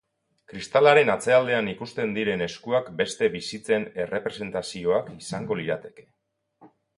Kristalaren atzealdean ikusten diren eskuak beste bizitzen errepresentazioak izango lirateke.